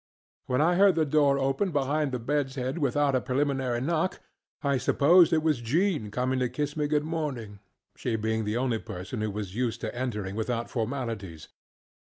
When I heard the door open behind the bedŌĆÖs head without a preliminary knock, I supposed it was Jean coming to kiss me good morning, she being the only person who was used to entering without formalities.